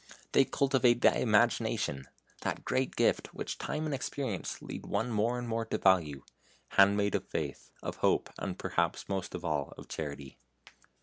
They cultivate the Imagination, that great gift which time and experience lead one more and more to value handmaid of Faith, of Hope, and, perhaps most of all, of Charity!